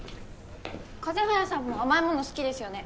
風早さんも甘い物好きですよね？